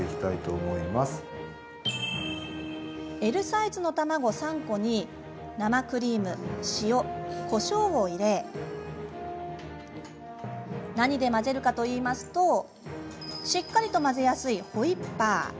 Ｌサイズの卵３個に生クリーム、塩、こしょうを入れ何で混ぜるかといいますとしっかりと混ぜやすいホイッパー。